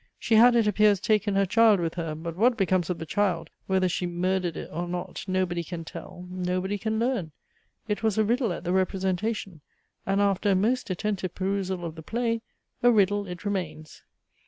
She had, it appears, taken her child with her, but what becomes of the child, whether she murdered it or not, nobody can tell, nobody can learn; it was a riddle at the representation, and after a most attentive perusal of the Play, a riddle it remains.